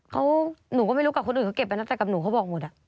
เขาหนูก็ไม่รู้กับคนอื่นเขาเก็บไปนับแต่กับหนูเขาบอกหมดอ่ะ